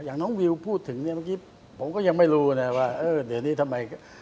อย่างน้องวิวพูดถึงเนี่ยเมื่อกี้ผมก็ยังไม่รู้นะว่าเออเดี๋ยวนี้ทำไม